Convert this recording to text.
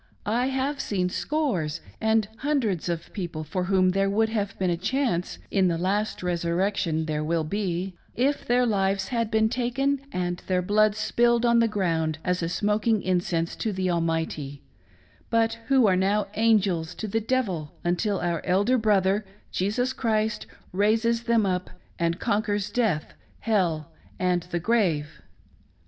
I have seen scores and hundreds of people for whom there would have been a chance (in the last resurrection there will be) if their lives had been taken and their blood spilled on the ground as a smoking incense to the Almighty, but who are now angels to the devil, until our elder brother, Jesus Christ, raises them up and conquers death, hell, and the grave.